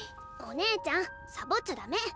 お姉ちゃんサボっちゃダメ！